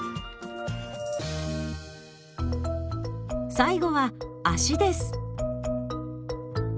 最後は足です。